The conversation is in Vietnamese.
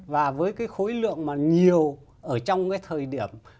và với cái khối lượng mà nhiều ở trong cái thời điểm